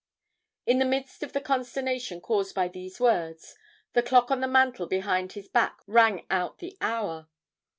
In the midst of the consternation caused by these words, the clock on the mantel behind his back rang out the hour.